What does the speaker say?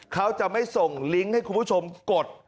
เขาจะไม่ส่งลิงก์ให้คุณผู้ชมกด